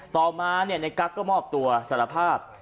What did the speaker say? ต่อมาในกั๊กก็มอบตัวสารภาพ